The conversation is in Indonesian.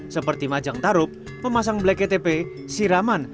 seperti majang tarup memasang blek ktp siraman